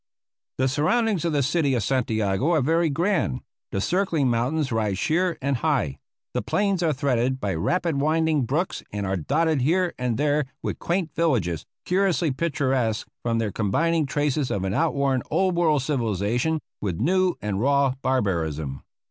The surroundings of the city of Santiago are very grand. The circling mountains rise sheer and high. The plains are threaded by rapid winding brooks and are dotted here and there with quaint villages, curiously picturesque from their combining traces of an outworn old world civilization with new and raw barbarism.